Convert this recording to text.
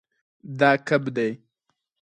دا کب دی